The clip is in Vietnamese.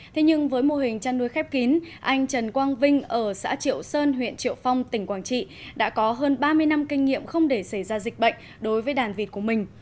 thế nhưng với mô hình chăn nuôi khép kín anh trần quang vinh ở xã triệu sơn huyện triệu phong tỉnh quảng trị đã có hơn ba mươi năm kinh nghiệm không để xảy ra dịch bệnh đối với đàn vịt của mình